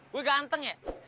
gue ganteng ya